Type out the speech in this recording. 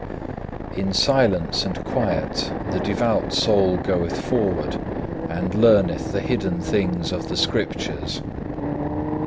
6. In silence and quiet the devout soul goeth forward and learneth the hidden things of the Scriptures.